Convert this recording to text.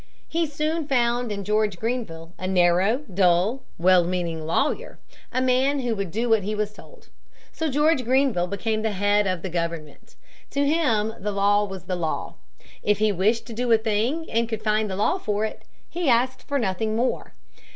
He soon found in George Grenville a narrow, dull, well meaning lawyer, a man who would do what he was told. So George Grenville became the head of the government. To him the law was the law. If he wished to do a thing and could find the law for it, he asked for nothing more.